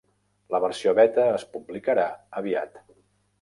La versió beta es publicarà aviat.